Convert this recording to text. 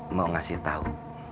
mau ngasih tau